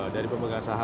dari pendapat saya